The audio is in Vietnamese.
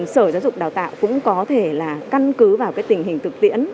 sở giáo dục đào tạo cũng có thể là căn cứ vào cái tình hình thực tiễn